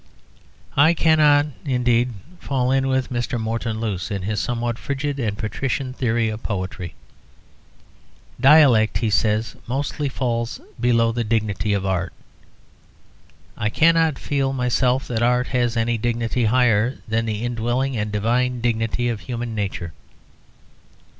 I cannot, indeed, fall in with Mr. Morton Luce in his somewhat frigid and patrician theory of poetry. "Dialect," he says, "mostly falls below the dignity of art." I cannot feel myself that art has any dignity higher than the indwelling and divine dignity of human nature.